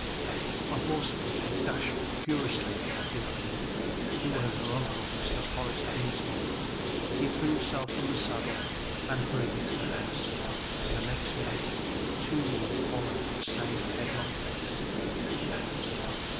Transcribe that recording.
A horseman came dashing furiously up the avenue. It was her uncle, Mr. Horace Dinsmore. He threw himself from the saddle and hurried into the house, and the next minute two more followed at the same headlong pace.